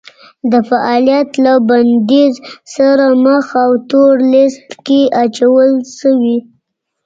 د فعالیت له بندیز سره مخ او تور لیست کې اچول شوي